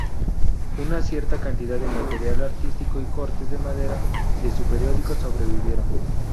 Una cierta cantidad de material artístico y cortes de madera de su periódico sobrevivieron.